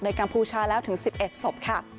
กัมพูชาแล้วถึง๑๑ศพค่ะ